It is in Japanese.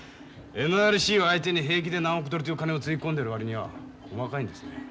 ＮＲＣを相手に平気で何億ドルという金をつぎ込んでる割には細かいんですね。